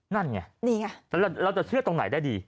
นั่นไงนี่ไงเราจะเชื่อตรงไหนได้ดี